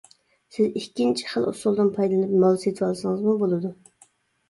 سىز ئىككىنچى خىل ئۇسۇلدىن پايدىلىنىپ مال سېتىۋالسىڭىزمۇ بولىدۇ.